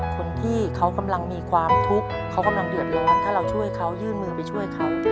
คนที่เขากำลังมีความทุกข์เขากำลังเดือดร้อนถ้าเราช่วยเขายื่นมือไปช่วยเขา